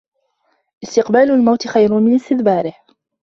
استقبال الموت خير من استدباره